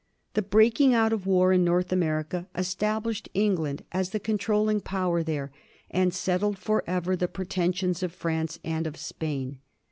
The breaking out of war in North America established Eng land as the controlling power there^ and settled forever the pretensions of France and of Spain.